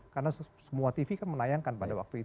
karena semua tv kan menayangkan pada waktu itu